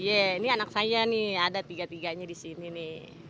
ye ini anak saya nih ada tiga tiganya di sini nih